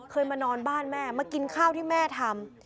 มานอนบ้านแม่มากินข้าวที่แม่ทำ